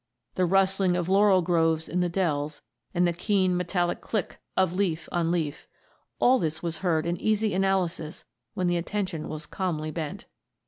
The rustling of laurel groves in the dells, and the keen metallic click of leaf on leaf all this was heard in easy analysis when the attention was calmly bent.